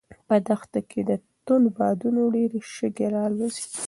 په دښته کې توند بادونه ډېرې شګې الوځوي.